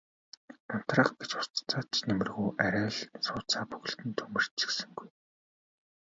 Унтраах гэж ус цацаад ч нэмэргүй арай л сууцаа бүхэлд нь түймэрдчихсэнгүй.